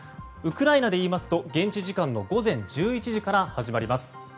ウクライナでいいますと現地時間の午前１１時から始まります。